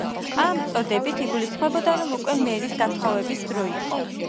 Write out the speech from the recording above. ამ წოდებით იგულისხმებოდა, რომ უკვე მერის გათხოვების დრო იყო.